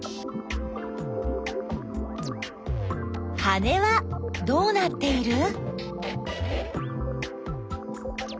羽はどうなっている？